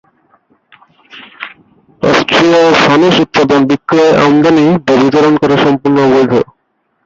অস্ট্রিয়ায় ফানুস উৎপাদন, বিক্রয়, আমদানি বা বিতরণ করা সম্পূর্ণ অবৈধ।